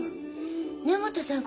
根本さん